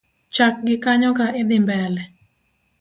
Chakgi kanyo ka idhi mbele.